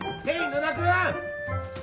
野田君！